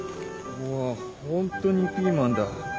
うわホントにピーマンだ。